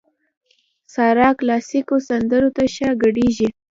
سارا کلاسيکو سندرو ته ښه ګډېږي.